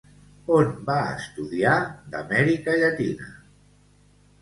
On va estudiar, d'Amèrica Llatina?